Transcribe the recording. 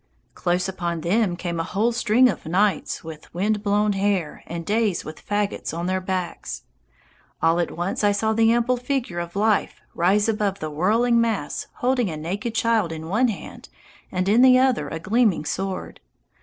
Close upon them came a whole string of Nights with wind blown hair and Days with faggots on their backs. All at once I saw the ample figure of Life rise above the whirling mass holding a naked child in one hand and in the other a gleaming sword.